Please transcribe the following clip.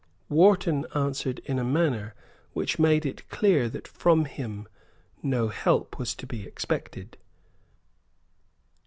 Wharton answered in a manner which made it clear that from him no help was to be expected.